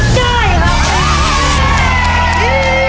ใช่ครับ